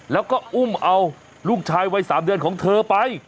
แล้วก็อุ้มเอาลูกชายวัย๓เดือนของเธอไป